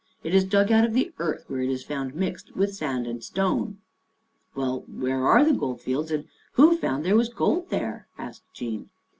It is dug out of the earth, where it is found mixed with sand and stone." " Well, where are the Gold Fields and who found there was gold there? " asked Jean.